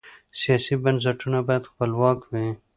سیاسي بنسټونه باید خپلواک وي